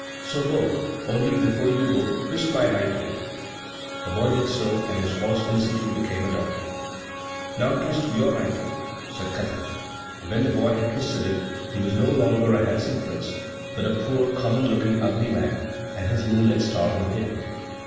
So go, only before you go, twist my right ear." The boy did so, and his horse instantly became a donkey. "Now twist your right ear," said Katar. And when the boy had twisted it, he was no longer a handsome prince, but a poor, common looking, ugly man; and his moon and star were hidden.